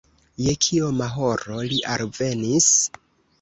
Je kioma horo li alvenis?